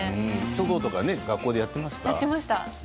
書道とか学校でやっていました。